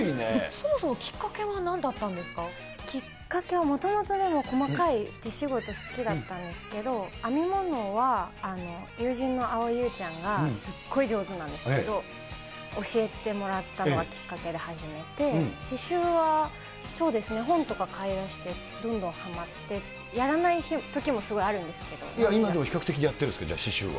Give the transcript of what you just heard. そもそもきっかけはなんだっきっかけは、もともとでも、細かい手仕事好きだったんですけど、編み物は、友人の蒼井優ちゃんがすごい上手なんですけど、教えてもらったのがきっかけで始めて、刺しゅうはそうですね、本とか買いだして、どんどんはまって、やらないときもすごいある今、でも比較的やってるんですか、刺しゅうは。